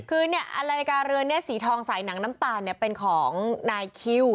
คืออนาฬิกาเรือนสีทองสายหนังน้ำตาลเป็นของนายคิว